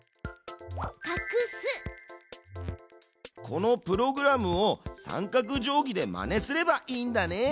このプログラムを三角定規でまねすればいいんだね。